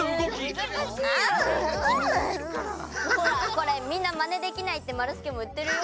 これみんなマネできないってまるすけもいってるよ。